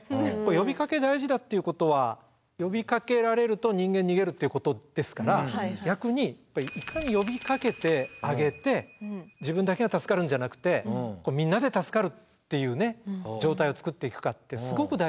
呼びかけ大事だっていうことは呼びかけられると人間逃げるっていうことですから逆にいかに呼びかけてあげて自分だけが助かるんじゃなくてみんなで助かるっていう状態を作っていくかってすごく大事なので。